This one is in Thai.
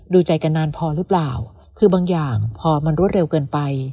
ดูใจกันนานพอหรือเปล่าคือบางอย่างพอมันรวดเร็วเกินไป